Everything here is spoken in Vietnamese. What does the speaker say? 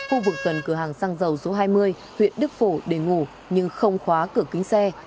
khu vực gần cửa hàng xăng dầu số hai mươi huyện đức phổ để ngủ nhưng không khóa cửa kính xe